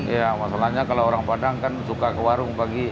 ya masalahnya kalau orang padang kan suka ke warung pagi